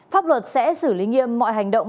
pháp luật sẽ xử lý nghiêm mọi hành động